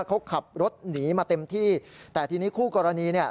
เขาขับรถหนีมาเต็มที่แต่ทีนี้คู่กรณีเนี่ย